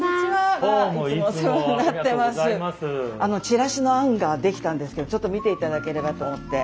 チラシの案ができたんですけどちょっと見ていただければと思って。